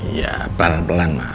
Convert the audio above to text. iya pelan pelan ma